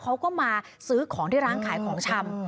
เขาก็มาซื้อของที่ร้านขายของชำ